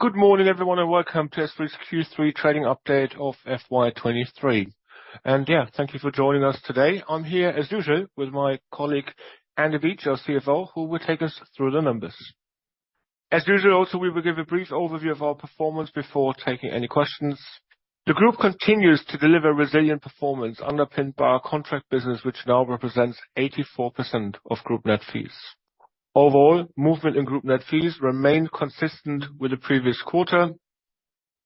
Good morning, everyone, and welcome to SThree's Q3 Trading Update of FY23. And, yeah, thank you for joining us today. I'm here, as usual, with my colleague, Andy Beach, our CFO, who will take us through the numbers. As usual, also, we will give a brief overview of our performance before taking any questions. The group continues to deliver resilient performance underpinned by our contract business, which now represents 84% of group net fees. Overall, movement in group net fees remained consistent with the previous quarter.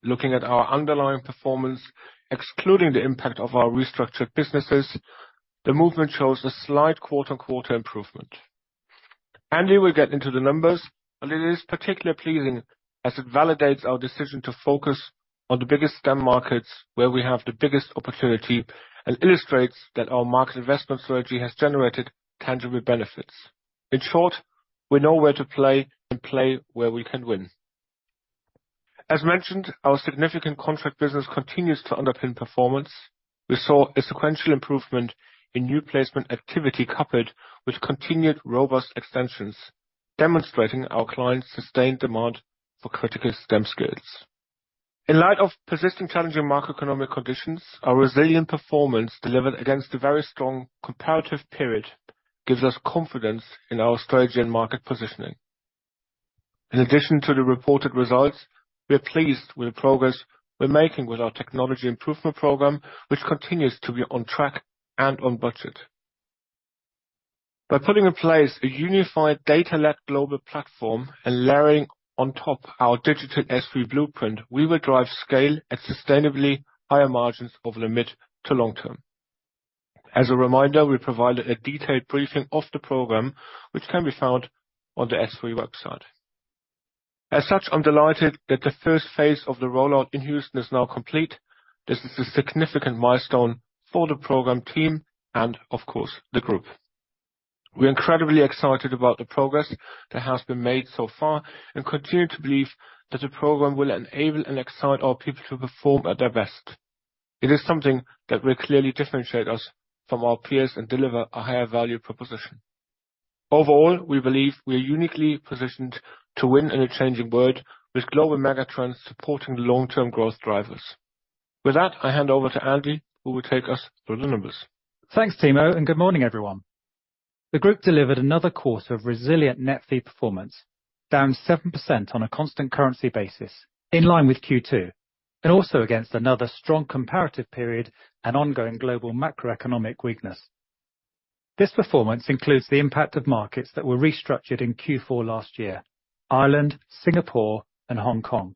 Looking at our underlying performance, excluding the impact of our restructured businesses, the movement shows a slight quarter-on-quarter improvement. Andy will get into the numbers, but it is particularly pleasing as it validates our decision to focus on the biggest STEM markets, where we have the biggest opportunity, and illustrates that our market investment strategy has generated tangible benefits. In short, we know where to play and play where we can win. As mentioned, our significant contract business continues to underpin performance. We saw a sequential improvement in new placement activity, coupled with continued robust extensions, demonstrating our clients' sustained demand for critical STEM skills. In light of persistent challenging macroeconomic conditions, our resilient performance delivered against a very strong comparative period gives us confidence in our strategy and market positioning. In addition to the reported results, we are pleased with the progress we're making with our Technology Improvement Programme, which continues to be on track and on budget. By putting in place a unified Data-led global platform and layering on top our Digital SThree Blueprint, we will drive scale at sustainably higher margins over the mid to long term. As a reminder, we provided a detailed briefing of the program, which can be found on the SThree website. As such, I'm delighted that the first phase of the rollout in Houston is now complete. This is a significant milestone for the program team and, of course, the group. We're incredibly excited about the progress that has been made so far and continue to believe that the program will enable and excite our people to perform at their best. It is something that will clearly differentiate us from our peers and deliver a higher value proposition. Overall, we believe we are uniquely positioned to win in a changing world, with global mega trends supporting the long-term growth drivers. With that, I hand over to Andy, who will take us through the numbers. Thanks, Timo, and good morning, everyone. The group delivered another quarter of resilient net fee performance, down 7% on a constant currency basis, in line with Q2, and also against another strong comparative period and ongoing global macroeconomic weakness. This performance includes the impact of markets that were restructured in Q4 last year: Ireland, Singapore, and Hong Kong.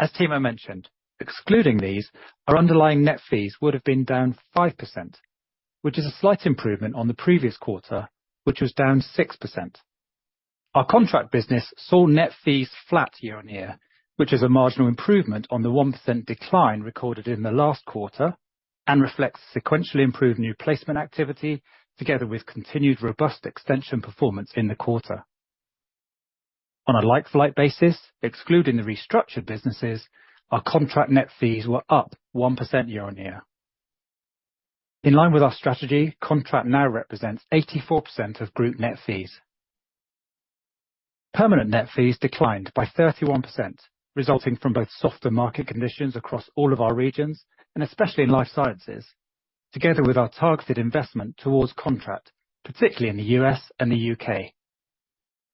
As Timo mentioned, excluding these, our underlying net fees would have been down 5%, which is a slight improvement on the previous quarter, which was down 6%. Our contract business saw net fees flat year-over-year, which is a marginal improvement on the 1% decline recorded in the last quarter, and reflects sequentially improved new placement activity, together with continued robust extension performance in the quarter. On a like-for-like basis, excluding the restructured businesses, our contract net fees were up 1% year-over-year. In line with our strategy, Contract now represents 84% of group Net Fees. Permanent Net Fees declined by 31%, resulting from both softer market conditions across all of our regions, and especially in Life Sciences, together with our targeted investment towards Contract, particularly in the US and the UK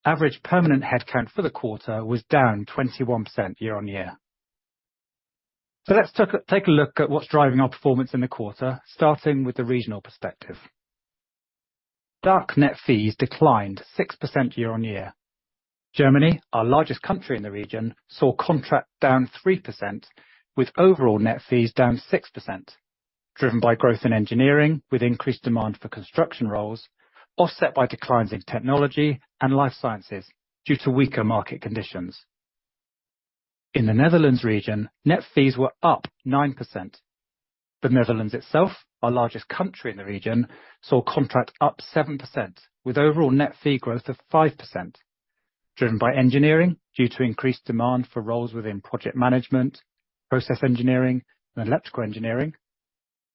Average permanent headcount for the quarter was down 21% year-on-year. Let's take a look at what's driving our performance in the quarter, starting with the regional perspective. DACH Net Fees declined 6% year-on-year. Germany, our largest country in the region, saw Contract down 3%, with overall Net Fees down 6%, driven by growth in Engineering, with increased demand for construction roles, offset by declines in Technology and Life Sciences due to weaker market conditions. In the Netherlands region, Net Fees were up 9%. The Netherlands itself, our largest country in the region, saw contract up 7%, with overall net fee growth of 5%, driven by engineering due to increased demand for roles within project management, process engineering, and electrical engineering,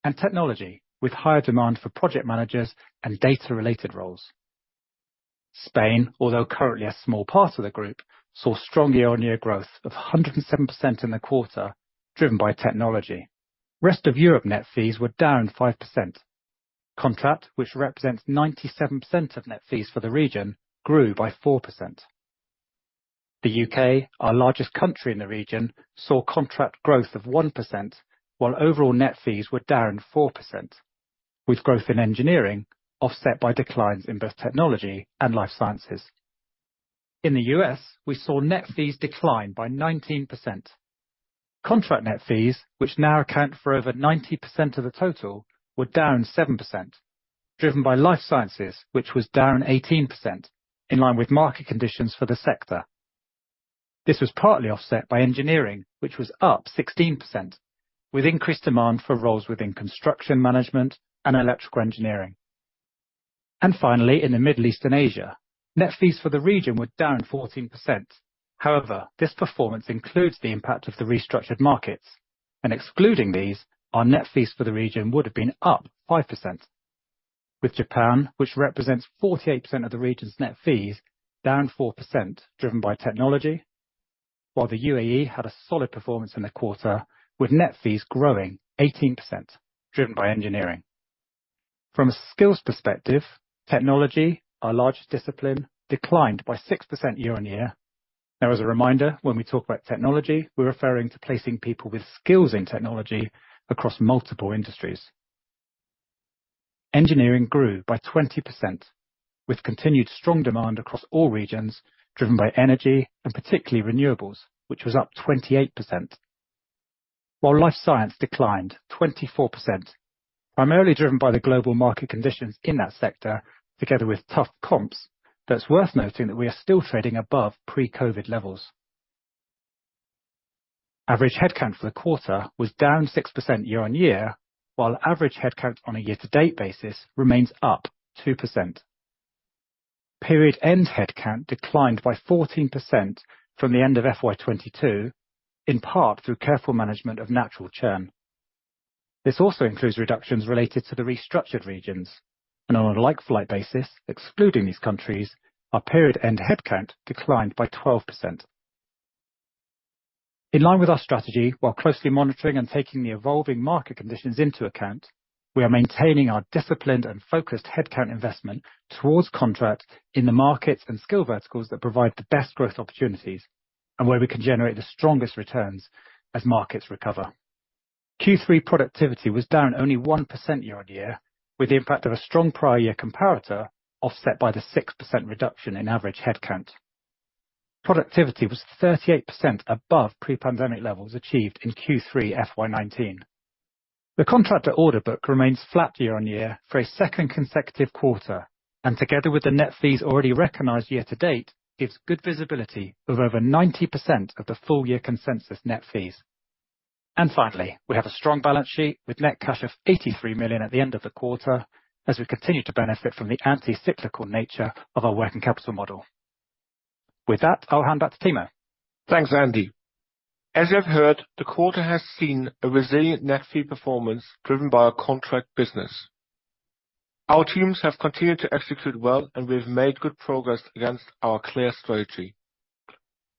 and technology, with higher demand for project managers and data-related roles. Spain, although currently a small part of the group, saw strong year-on-year growth of 107% in the quarter, driven by technology. Rest of Europe net fees were down 5%. Contract, which represents 97% of net fees for the region, grew by 4%. The UK, our largest country in the region, saw contract growth of 1%, while overall net fees were down 4%, with growth in engineering offset by declines in both Technology and Life Sciences. In the US, we saw net fees decline by 19%. Contract net fees, which now account for over 90% of the total, were down 7%, driven by Life Sciences, which was down 18%, in line with market conditions for the sector. This was partly offset by Engineering, which was up 16%, with increased demand for roles within construction management and electrical engineering. Finally, in the Middle East and Asia, net fees for the region were down 14%. However, this performance includes the impact of the restructured markets, and excluding these, our net fees for the region would have been up 5%....with Japan, which represents 48% of the region's net fees, down 4%, driven by Technology, while the UAE had a solid performance in the quarter, with net fees growing 18%, driven by Engineering. From a skills perspective, Technology, our largest discipline, declined by 6% year-on-year. Now, as a reminder, when we talk about Technology, we're referring to placing people with skills in technology across multiple industries. Engineering grew by 20%, with continued strong demand across all regions, driven by energy and particularly renewables, which was up 28%, while Life Sciences declined 24%, primarily driven by the global market conditions in that sector, together with tough comps, but it's worth noting that we are still trading above pre-COVID levels. Average headcount for the quarter was down 6% year-on-year, while average headcount on a year-to-date basis remains up 2%. Period-end headcount declined by 14% from the end of FY22, in part through careful management of natural churn. This also includes reductions related to the restructured regions, and on a like-for-like basis, excluding these countries, our period end headcount declined by 12%. In line with our strategy, while closely monitoring and taking the evolving market conditions into account, we are maintaining our disciplined and focused headcount investment towards contract in the markets and skill verticals that provide the best growth opportunities and where we can generate the strongest returns as markets recover. Q3 productivity was down only 1% year-on-year, with the impact of a strong prior year comparator, offset by the 6% reduction in average headcount. Productivity was 38% above pre-pandemic levels achieved in Q3 FY19. The contractor order book remains flat year-on-year for a second consecutive quarter, and together with the net fees already recognized year-to-date, gives good visibility of over 90% of the full year consensus net fees. And finally, we have a strong balance sheet with net cash of 83 million at the end of the quarter, as we continue to benefit from the anti-cyclical nature of our working capital model. With that, I'll hand back to Timo. Thanks, Andy. As you have heard, the quarter has seen a resilient net fee performance driven by our contract business. Our teams have continued to execute well, and we've made good progress against our clear strategy.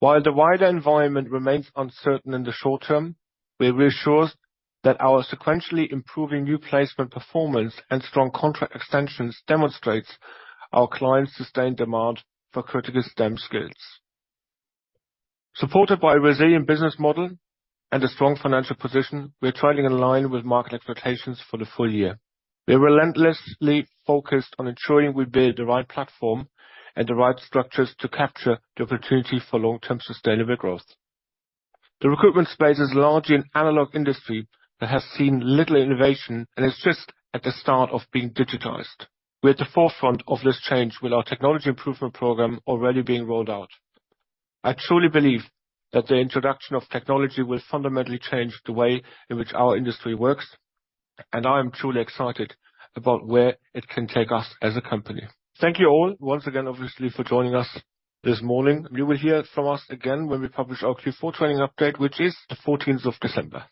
While the wider environment remains uncertain in the short term, we're reassured that our sequentially improving new placement performance and strong contract extensions demonstrates our clients' sustained demand for critical STEM skills. Supported by a resilient business model and a strong financial position, we are trading in line with market expectations for the full year. We are relentlessly focused on ensuring we build the right platform and the right structures to capture the opportunity for long-term sustainable growth. The recruitment space is largely an analog industry that has seen little innovation and is just at the start of being digitized. We're at the forefront of this change with our Technology Improvement Programme already being rolled out. I truly believe that the introduction of Technology will fundamentally change the way in which our industry works, and I am truly excited about where it can take us as a company. Thank you all once again, obviously, for joining us this morning. You will hear from us again when we publish our Q4 trading update, which is the 14th of December.